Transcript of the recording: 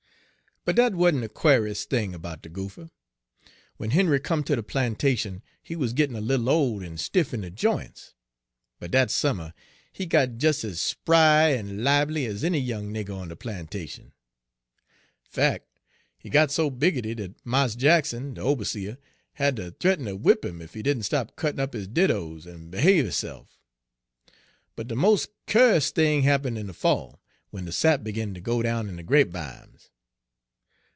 "But dat wa'n't de quares' thing 'bout de goopher. When Henry come ter de plantation, he wuz gittin' a little ole an stiff in de j'ints. But dat summer he got des ez spry en libely ez any young nigger on de plantation; fac', he got so biggity dat Mars Jackson, de oberseah, ha' ter th'eaten ter whip 'im, ef he didn' stop cuttin' up his didos en behave hisse'f. But de mos' cur'ouses' thing happen' in de fall, when de sap begin ter go down in de grapevimes.